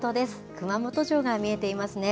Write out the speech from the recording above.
熊本城が見えていますね。